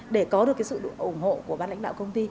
để có được sự ủng hộ của bán lãnh đạo công ty